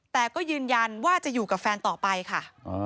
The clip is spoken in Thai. แต่ก็ยืนยันว่าจะอยู่กับแฟนต่อไปค่ะ